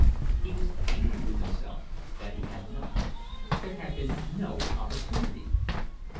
He was angry with himself that he had not. There had been no opportunity.